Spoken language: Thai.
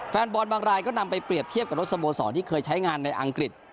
แฟนบอลบางรายก็นำไปเปรียบเทียบกับรถสโมสรที่เคยใช้งานในอังกฤษ